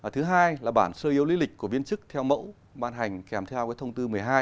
thứ hai là bản sơ yếu lý lịch của viên chức theo mẫu ban hành kèm theo thông tư một mươi hai